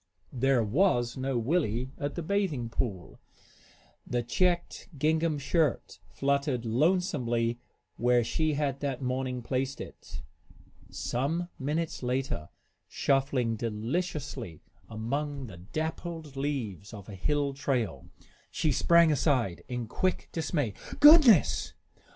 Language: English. There was no Willie at the bathing pool. The checked gingham shirt fluttered lonesomely where she had that morning placed it. Some minutes later, shuffling deliciously among the dappled leaves of a hill trail, she sprang aside in quick dismay. "Goodness!"